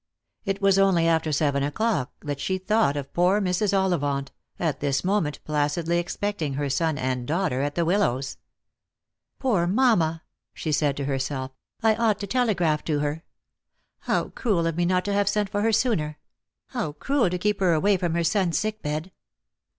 It was only after seven o'clock that she thought of poor Mrs. Ollivant, at this moment placidly expecting her son and daughter at the Willows. " Poor mamma," she said to herself, " I ought to telegraph to her. How cruel of me not to have sent for her sooner ; how cruel to keep her away from her son's sick bed